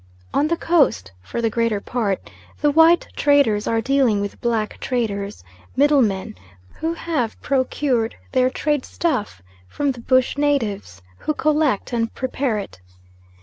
On the Coast, for the greater part, the white traders are dealing with black traders, middle men, who have procured their trade stuff from the bush natives, who collect and prepare it.